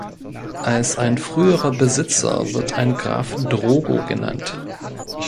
Als ein früherer Besitzer wird ein Graf Drogo genannt.